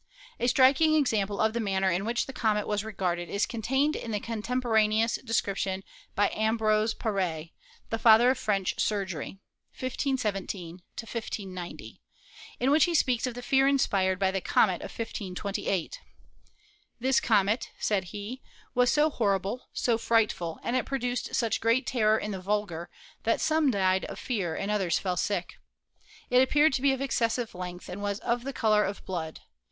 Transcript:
A striking example of the manner in which the comet was regarded is contained in the contemporaneous descrip tion by Ambroise Pare, the father of French surgery (1517 1590), in which he speaks of the fear inspired by the comet of 1528. "This comet," said he, "was so hor rible, so frightful, and it produced such great terror in the vulgar, that some died of fear and others fell sick. It appeared to be of excessive length, and was of the color of blood.